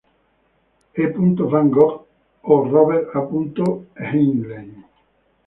E. van Vogt o Robert A. Heinlein.